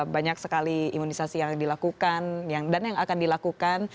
banyak sekali imunisasi yang dilakukan dan yang akan dilakukan